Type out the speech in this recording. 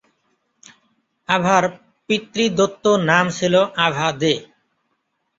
আভার পিতৃদত্ত নাম ছিল আভা দে।